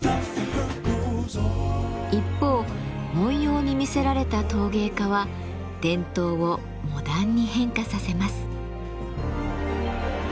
一方文様に魅せられた陶芸家は伝統をモダンに変化させます。